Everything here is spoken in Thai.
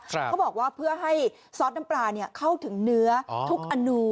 เขาบอกว่าเพื่อให้ซอสน้ำปลาเข้าถึงเนื้อทุกอนู